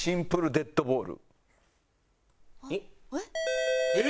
デッドボール！